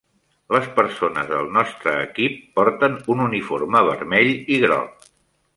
Les persones del nostre equip porten un uniforme vermell i groc.